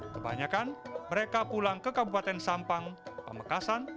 kebanyakan mereka pulang ke kabupaten sampang pamekasan